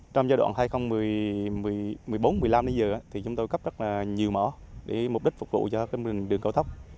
trong giai đoạn hai nghìn một mươi bốn hai nghìn một mươi năm đến giờ thì chúng tôi cấp rất là nhiều mỏ để mục đích phục vụ cho đường cầu tóc